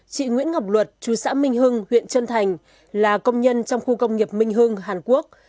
chị nguyễn ngọc luật chú xã minh hưng huyện trân thành là công nhân trong khu công nghiệp minh hưng hàn quốc